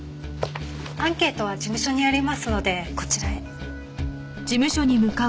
アンケートは事務所にありますのでこちらへ。